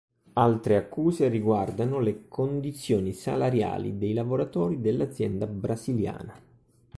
Altre accuse riguardano le condizioni salariali dei lavoratori dell'azienda brasiliana.